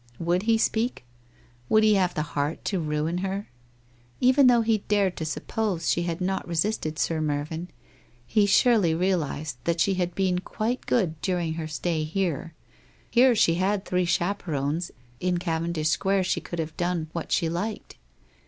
Would he speak ? Would he have the heart to ruin her ? Even though he dared to suppose she had not resisted Sir Mervyn, he surely realized that she had been quite good during her stay here. Here she had three chap erons, in Cavendish Square she could have done what she liked.